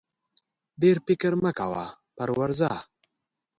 ډېر فکر مه کوه پر ورځه!